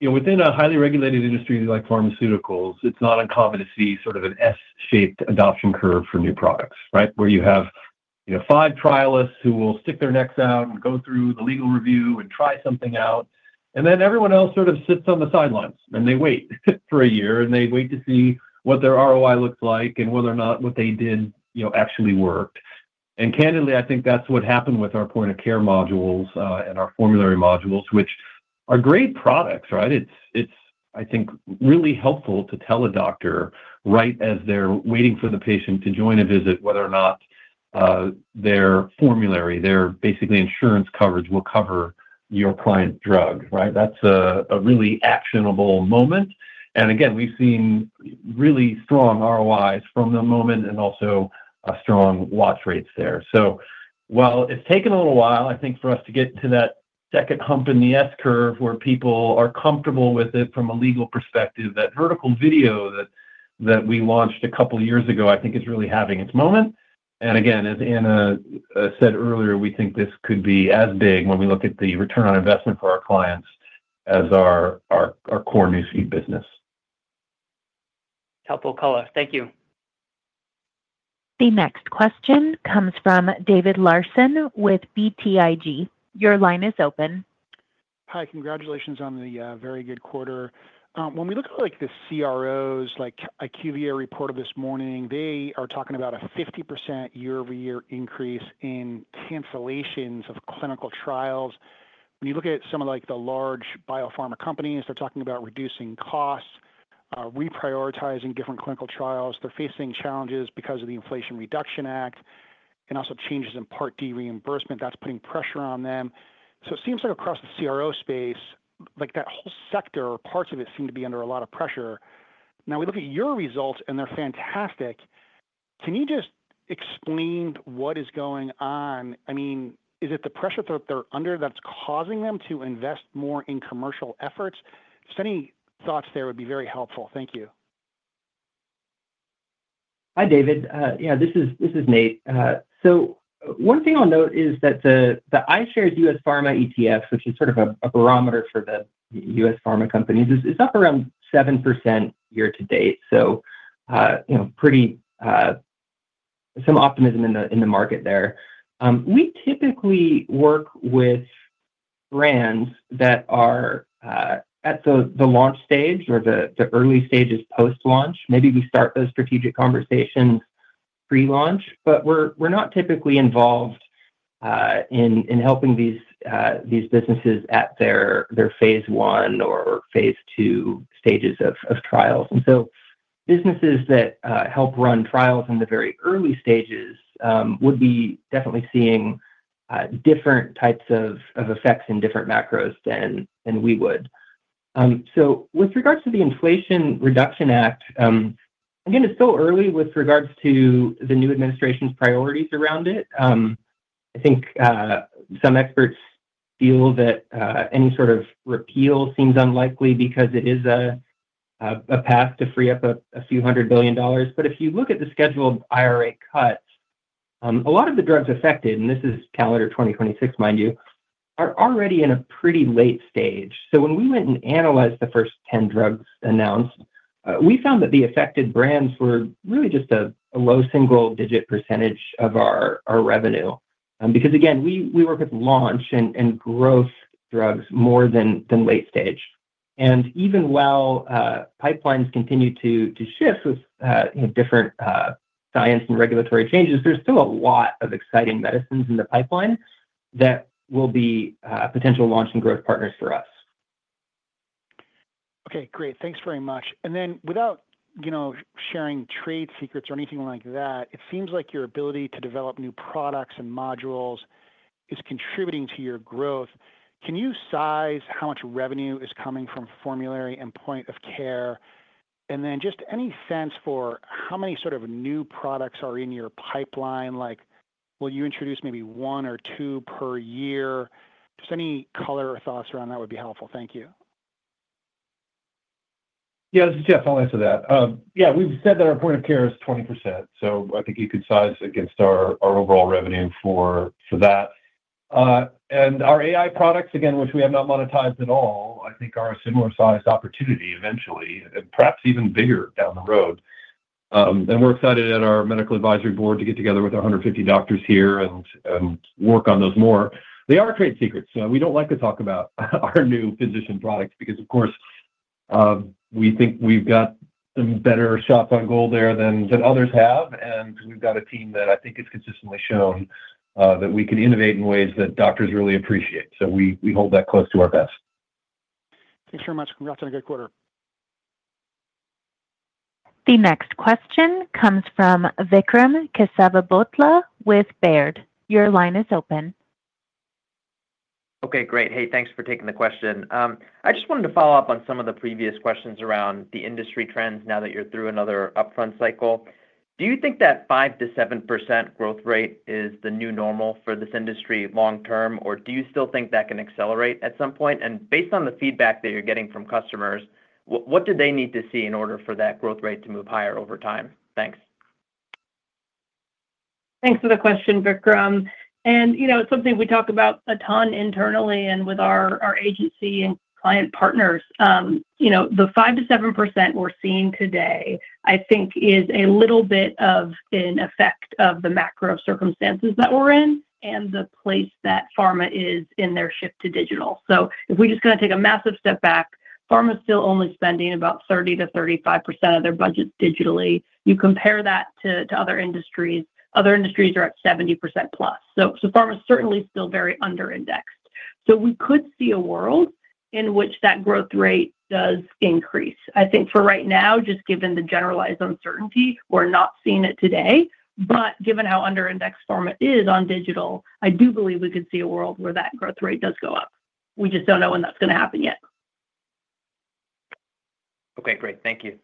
within a highly regulated industry like pharmaceuticals, it's not uncommon to see sort of an S-shaped adoption curve for new products, right, where you have five trialists who will stick their necks out and go through the legal review and try something out, and then everyone else sort of sits on the sidelines, and they wait for a year, and they wait to see what their ROI looks like and whether or not what they did actually worked, and candidly, I think that's what happened with our point-of-care modules and our formulary modules, which are great products, right? It's, I think, really helpful to tell a doctor right as they're waiting for the patient to join a visit whether or not their formulary, their, basically, insurance coverage will cover your client's drug, right? That's a really actionable moment. And again, we've seen really strong ROIs from the moment and also strong watch rates there. So while it's taken a little while, I think for us to get to that second hump in the S curve where people are comfortable with it from a legal perspective, that vertical video that we launched a couple of years ago, I think is really having its moment. And again, as Anna said earlier, we think this could be as big when we look at the return on investment for our clients as our core newsfeed business. Helpful color. Thank you. The next question comes from David Larson with BTIG. Your line is open. Hi. Congratulations on the very good quarter. When we look at the CROs, like IQVIA reported this morning, they are talking about a 50% year-over-year increase in cancellations of clinical trials. When you look at some of the large biopharma companies, they're talking about reducing costs, reprioritizing different clinical trials. They're facing challenges because of the Inflation Reduction Act and also changes in Part D reimbursement. That's putting pressure on them. So it seems like across the CRO space, that whole sector or parts of it seem to be under a lot of pressure. Now, we look at your results, and they're fantastic. Can you just explain what is going on? I mean, is it the pressure that they're under that's causing them to invest more in commercial efforts? Any thoughts there would be very helpful. Thank you. Hi, David. Yeah, this is Nate. So one thing I'll note is that the iShares U.S. Pharma ETF, which is sort of a barometer for the U.S. pharma companies, is up around 7% year to date. So some optimism in the market there. We typically work with brands that are at the launch stage or the early stages post-launch. Maybe we start those strategic conversations pre-launch, but we're not typically involved in helping these businesses at their phase one or phase two stages of trials. And so businesses that help run trials in the very early stages would be definitely seeing different types of effects in different macros than we would. So with regards to the Inflation Reduction Act, again, it's still early with regards to the new administration's priorities around it. I think some experts feel that any sort of repeal seems unlikely because it is a path to free up a few hundred billion dollars. But if you look at the scheduled IRA cuts, a lot of the drugs affected, and this is calendar 2026, mind you, are already in a pretty late stage. So when we went and analyzed the first 10 drugs announced, we found that the affected brands were really just a low single-digit % of our revenue because, again, we work with launch and growth drugs more than late stage. And even while pipelines continue to shift with different science and regulatory changes, there's still a lot of exciting medicines in the pipeline that will be potential launch and growth partners for us. Okay. Great. Thanks very much. And then without sharing trade secrets or anything like that, it seems like your ability to develop new products and modules is contributing to your growth. Can you size how much revenue is coming from formulary and point of care? And then just any sense for how many sort of new products are in your pipeline? Will you introduce maybe one or two per year? Just any color or thoughts around that would be helpful. Thank you. Yeah. This is Jeff. I'll answer that. Yeah. We've said that our Point-of-Care is 20%. So I think you could size against our overall revenue for that. And our AI products, again, which we have not monetized at all, I think are a similar-sized opportunity eventually, and perhaps even bigger down the road. And we're excited at our medical advisory board to get together with 150 doctors here and work on those more. They are trade secrets. We don't like to talk about our new physician products because, of course, we think we've got some better shots on goal there than others have. And we've got a team that I think has consistently shown that we can innovate in ways that doctors really appreciate. So we hold that close to our best. Thanks very much. Congrats on a good quarter. The next question comes from Vikram Kesavabhotla with Baird. Your line is open. Okay. Great. Hey, thanks for taking the question. I just wanted to follow up on some of the previous questions around the industry trends now that you're through another upfront cycle. Do you think that 5%-7% growth rate is the new normal for this industry long-term, or do you still think that can accelerate at some point? And based on the feedback that you're getting from customers, what do they need to see in order for that growth rate to move higher over time? Thanks. Thanks for the question, Vikram, and it's something we talk about a ton internally and with our agency and client partners. The 5%-7% we're seeing today, I think, is a little bit of an effect of the macro circumstances that we're in and the place that pharma is in their shift to digital, so if we're just going to take a massive step back, pharma is still only spending about 30%-35% of their budgets digitally. You compare that to other industries, other industries are at 70% plus, so pharma is certainly still very under-indexed, so we could see a world in which that growth rate does increase. I think for right now, just given the generalized uncertainty, we're not seeing it today, but given how under-indexed pharma is on digital, I do believe we could see a world where that growth rate does go up. We just don't know when that's going to happen yet. Okay. Great. Thank you.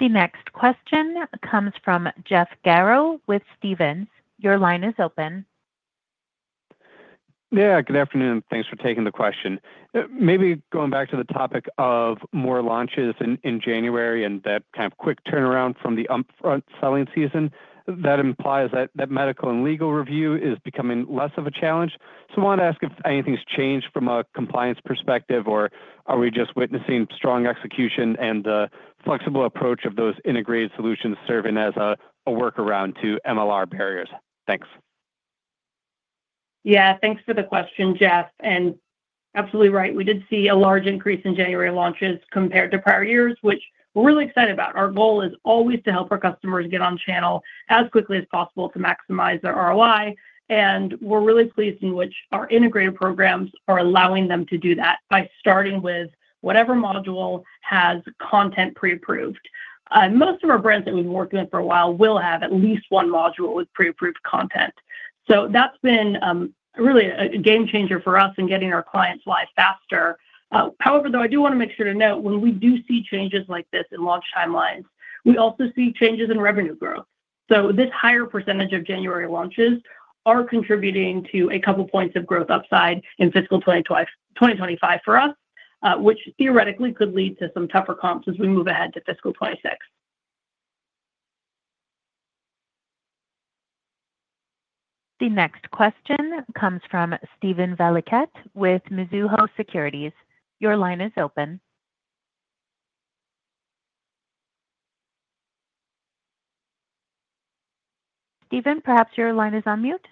The next question comes from Jeff Garro with Stephens. Your line is open. Yeah. Good afternoon. Thanks for taking the question. Maybe going back to the topic of more launches in January and that kind of quick turnaround from the upfront selling season, that implies that medical and legal review is becoming less of a challenge. So I wanted to ask if anything's changed from a compliance perspective, or are we just witnessing strong execution and the flexible approach of those integrated solutions serving as a workaround to MLR barriers? Thanks. Yeah. Thanks for the question, Jeff, and absolutely right. We did see a large increase in January launches compared to prior years, which we're really excited about. Our goal is always to help our customers get on channel as quickly as possible to maximize their ROI. And we're really pleased in which our integrated programs are allowing them to do that by starting with whatever module has content pre-approved. Most of our brands that we've been working with for a while will have at least one module with pre-approved content. So that's been really a game changer for us in getting our clients live faster. However, though, I do want to make sure to note when we do see changes like this in launch timelines, we also see changes in revenue growth. So this higher percentage of January launches are contributing to a couple of points of growth upside in fiscal 2025 for us, which theoretically could lead to some tougher comps as we move ahead to fiscal 2026. The next question comes from Steven Valiquette with Mizuho Securities. Your line is open. Steven, perhaps your line is on mute.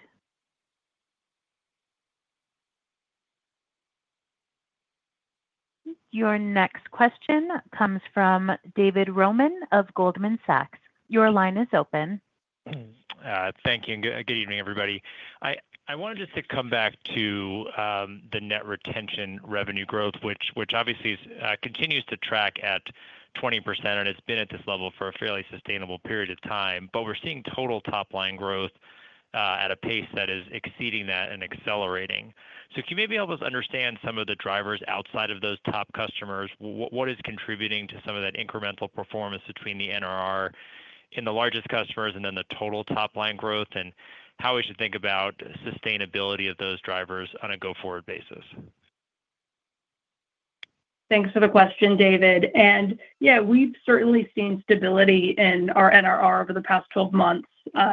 Your next question comes from David Roman of Goldman Sachs. Your line is open. Thank you. And good evening, everybody. I wanted just to come back to the net retention revenue growth, which obviously continues to track at 20%, and it's been at this level for a fairly sustainable period of time. But we're seeing total top-line growth at a pace that is exceeding that and accelerating. So can you maybe help us understand some of the drivers outside of those top customers? What is contributing to some of that incremental performance between the NRR in the largest customers and then the total top-line growth, and how we should think about sustainability of those drivers on a go-forward basis? Thanks for the question, David. And yeah, we've certainly seen stability in our NRR over the past 12 months.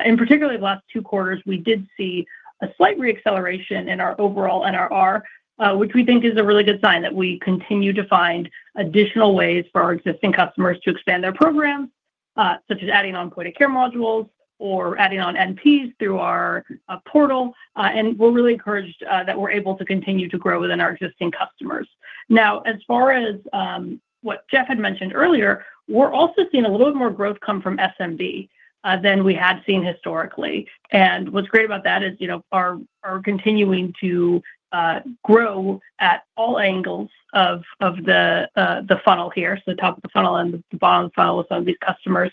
In particular, the last two quarters, we did see a slight reacceleration in our overall NRR, which we think is a really good sign that we continue to find additional ways for our existing customers to expand their programs, such as adding on point-of-care modules or adding on NPs through our portal. And we're really encouraged that we're able to continue to grow within our existing customers. Now, as far as what Jeff had mentioned earlier, we're also seeing a little bit more growth come from SMB than we had seen historically. And what's great about that is our continuing to grow at all angles of the funnel here, so the top of the funnel and the bottom of the funnel with some of these customers.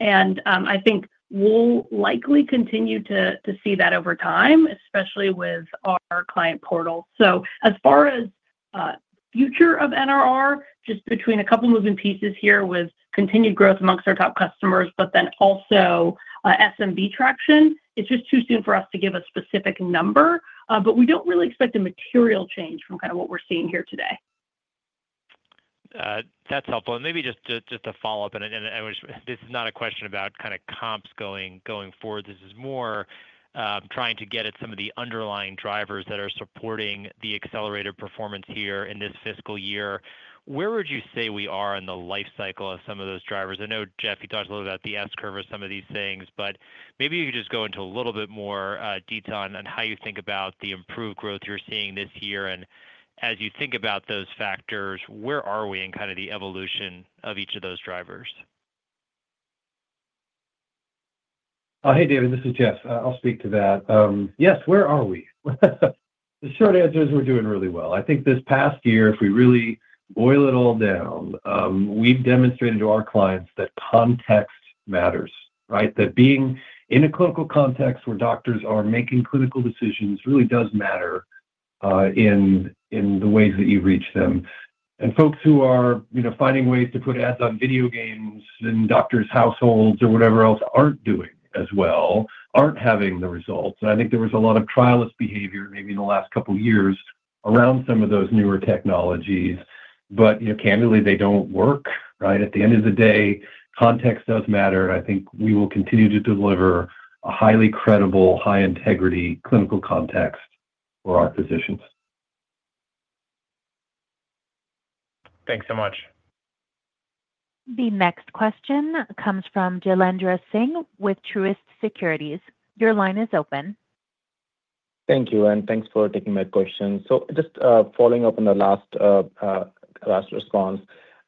And I think we'll likely continue to see that over time, especially with our Client Portal. So as far as the future of NRR, just between a couple of moving pieces here with continued growth amongst our top customers, but then also SMB traction, it's just too soon for us to give a specific number. But we don't really expect a material change from kind of what we're seeing here today. That's helpful, and maybe just a follow-up, and this is not a question about kind of comps going forward. This is more trying to get at some of the underlying drivers that are supporting the accelerated performance here in this fiscal year. Where would you say we are in the life cycle of some of those drivers? I know Jeff, you talked a little bit about the S curve or some of these things, but maybe you could just go into a little bit more detail on how you think about the improved growth you're seeing this year, and as you think about those factors, where are we in kind of the evolution of each of those drivers? Hey, David, this is Jeff. I'll speak to that. Yes, where are we? The short answer is we're doing really well. I think this past year, if we really boil it all down, we've demonstrated to our clients that context matters, right? That being in a clinical context where doctors are making clinical decisions really does matter in the ways that you reach them. And folks who are finding ways to put ads on video games in doctors' households or whatever else aren't doing as well, aren't having the results. And I think there was a lot of trialist behavior maybe in the last couple of years around some of those newer technologies. But candidly, they don't work, right? At the end of the day, context does matter. And I think we will continue to deliver a highly credible, high-integrity clinical context for our physicians. Thanks so much. The next question comes from Jailendra Singh with Truist Securities. Your line is open. Thank you. And thanks for taking my question. So just following up on the last response,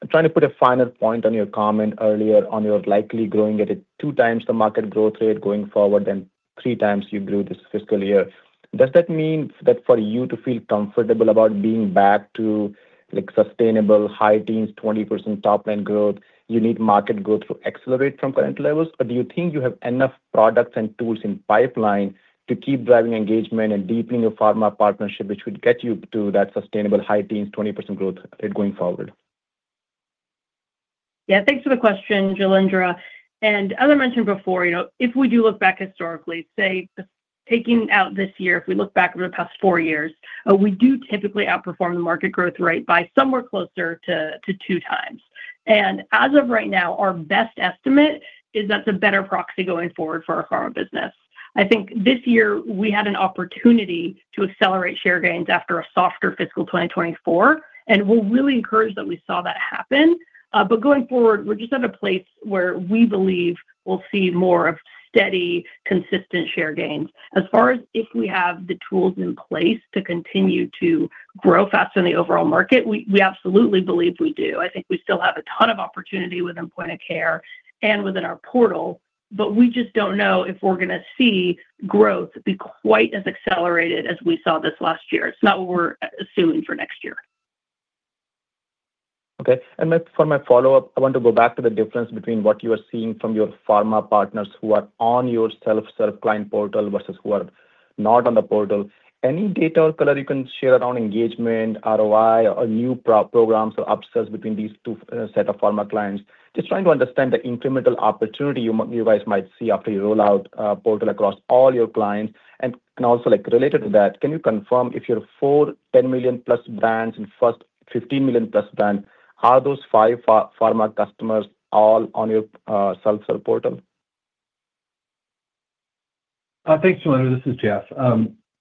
I'm trying to put a final point on your comment earlier on your likely growing at two times the market growth rate going forward than three times you grew this fiscal year. Does that mean that for you to feel comfortable about being back to sustainable high teens, 20% top-line growth, you need market growth to accelerate from current levels? Or do you think you have enough products and tools in pipeline to keep driving engagement and deepening your pharma partnership, which would get you to that sustainable high teens, 20% growth rate going forward? Yeah. Thanks for the question, Jailendra. And as I mentioned before, if we do look back historically, say taking out this year, if we look back over the past four years, we do typically outperform the market growth rate by somewhere closer to two times. And as of right now, our best estimate is that's a better proxy going forward for our pharma business. I think this year we had an opportunity to accelerate share gains after a softer fiscal 2024, and we're really encouraged that we saw that happen. But going forward, we're just at a place where we believe we'll see more of steady, consistent share gains. As far as if we have the tools in place to continue to grow faster than the overall market, we absolutely believe we do. I think we still have a ton of opportunity within point of care and within our portal, but we just don't know if we're going to see growth be quite as accelerated as we saw this last year. It's not what we're assuming for next year. Okay. And for my follow-up, I want to go back to the difference between what you are seeing from your pharma partners who are on your self-serve Client Portal versus who are not on the portal. Any data or color you can share around engagement, ROI, or new programs or upsells between these two sets of pharma clients? Just trying to understand the incremental opportunity you guys might see after you roll out a portal across all your clients. And also related to that, can you confirm if your four $10 million-plus brands and first $15 million-plus brands, are those five pharma customers all on your self-serve Client Portal? Thanks, Jailendra. This is Jeff.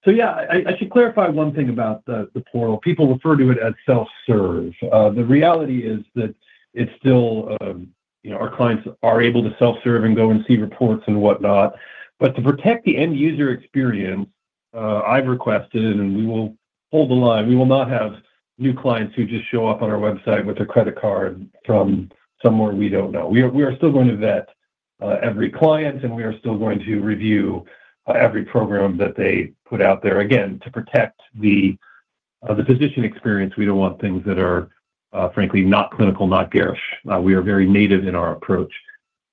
So yeah, I should clarify one thing about the portal. People refer to it as self-serve. The reality is that it's still our clients are able to self-serve and go and see reports and whatnot. But to protect the end user experience, I've requested, and we will hold the line. We will not have new clients who just show up on our website with a credit card from somewhere we don't know. We are still going to vet every client, and we are still going to review every program that they put out there. Again, to protect the physician experience, we don't want things that are, frankly, not clinical, not garish. We are very native in our approach.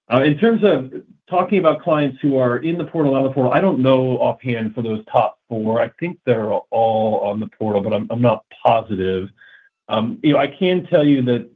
In terms of talking about clients who are in the portal, out of the portal, I don't know offhand for those top four. I think they're all on the portal, but I'm not positive. I can tell you that,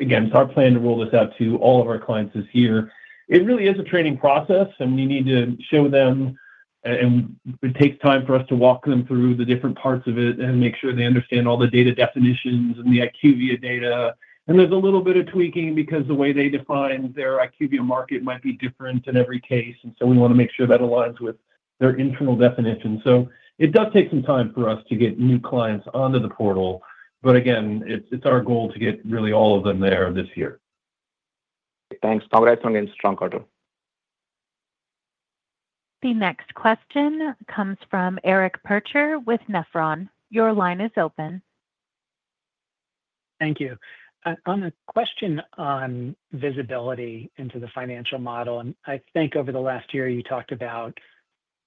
again, it's our plan to roll this out to all of our clients this year. It really is a training process, and we need to show them, and it takes time for us to walk them through the different parts of it and make sure they understand all the data definitions and the IQVIA data, and there's a little bit of tweaking because the way they define their IQVIA market might be different in every case, and so we want to make sure that aligns with their internal definition, so it does take some time for us to get new clients onto the portal, but again, it's our goal to get really all of them there this year. Thanks. Congrats on getting strong quarter. The next question comes from Eric Percher with Nephron. Your line is open. Thank you. On the question on visibility into the financial model, I think over the last year you talked about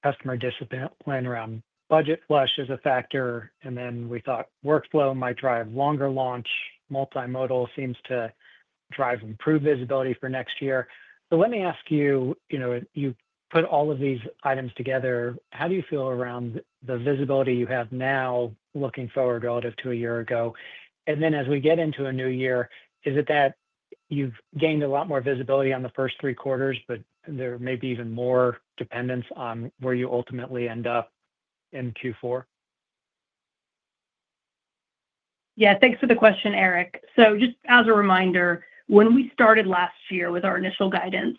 customer discipline around budget flush as a factor, and then we thought workflow might drive longer launch. Multimodal seems to drive improved visibility for next year. So let me ask you, you put all of these items together, how do you feel around the visibility you have now looking forward relative to a year ago? And then as we get into a new year, is it that you've gained a lot more visibility on the first three quarters, but there may be even more dependence on where you ultimately end up in Q4? Yeah. Thanks for the question, Eric. So just as a reminder, when we started last year with our initial guidance,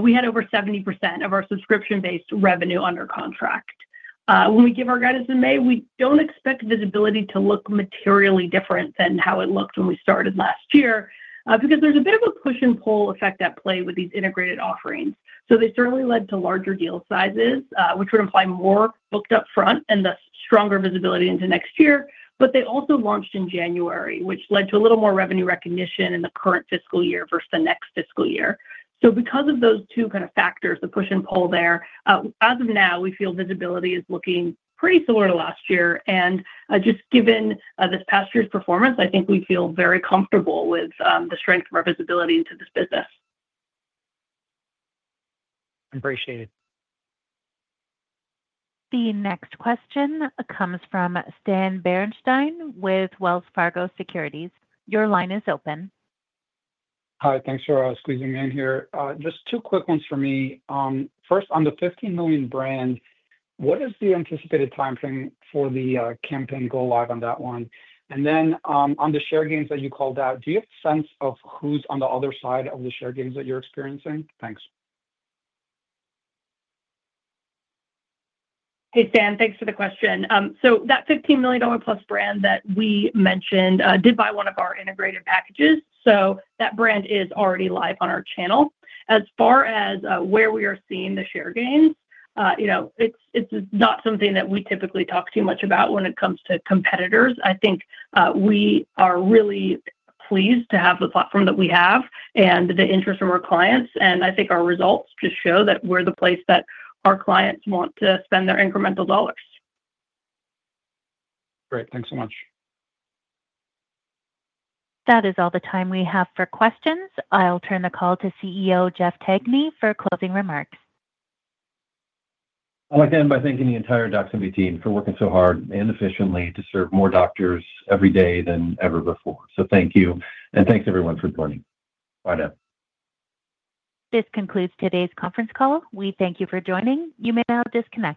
we had over 70% of our subscription-based revenue under contract. When we give our guidance in May, we don't expect visibility to look materially different than how it looked when we started last year because there's a bit of a push and pull effect at play with these integrated offerings. So they certainly led to larger deal sizes, which would imply more booked upfront and thus stronger visibility into next year. But they also launched in January, which led to a little more revenue recognition in the current fiscal year versus the next fiscal year. So because of those two kind of factors, the push and pull there, as of now, we feel visibility is looking pretty similar to last year. Just given this past year's performance, I think we feel very comfortable with the strength of our visibility into this business. Appreciate it. The next question comes from Stan Berenshteyn with Wells Fargo Securities. Your line is open. Hi. Thanks for squeezing in here. Just two quick ones for me. First, on the 15 million brand, what is the anticipated timeframe for the campaign go live on that one? And then on the share gains that you called out, do you have a sense of who's on the other side of the share gains that you're experiencing? Thanks. Hey, Stan. Thanks for the question. So that $15 million-plus brand that we mentioned did buy one of our integrated packages. So that brand is already live on our channel. As far as where we are seeing the share gains, it's not something that we typically talk too much about when it comes to competitors. I think we are really pleased to have the platform that we have and the interest from our clients. And I think our results just show that we're the place that our clients want to spend their incremental dollars. Great. Thanks so much. That is all the time we have for questions. I'll turn the call to CEO Jeff Tangney for closing remarks. I'd like to end by thanking the entire Doximity team for working so hard and efficiently to serve more doctors every day than ever before. So thank you. And thanks, everyone, for joining. Bye now. This concludes today's conference call. We thank you for joining. You may now disconnect.